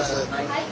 はい。